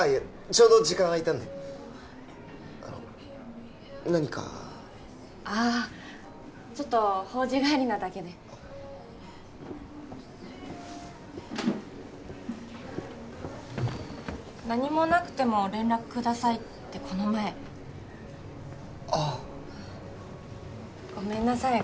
ちょうど時間あいたんであの何かああちょっと法事帰りなだけで何もなくても連絡くださいってこの前ああごめんなさい